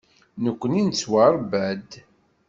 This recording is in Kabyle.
Nekkni nettwaṛebba-d.